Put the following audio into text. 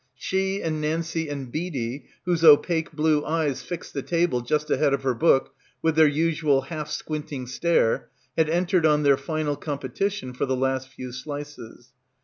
She and Nancie and Beadie, whose opaque blue eyes fixed the table just ahead of her book with their usual half squinting stare, had en tered on their final competition for the last few slices.